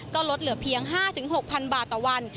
ก็ลดเหลือเพียง๕๖๐๐๐บาทต่อวัน